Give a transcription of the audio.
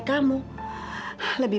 aku mau pergi